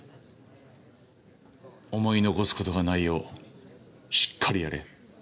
思い残す事がないようしっかりやれ。